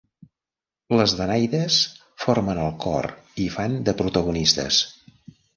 Les danaides formen el cor i fan de protagonistes.